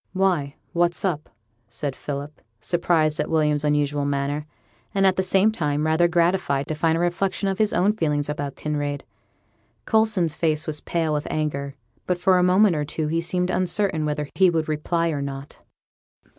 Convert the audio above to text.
'Why, what's up?' said Philip, surprised at William's unusual manner, and, at the same time, rather gratified to find a reflection of his own feelings about Kinraid. Coulson's face was pale with anger, but for a moment or two he seemed uncertain whether he would reply or not.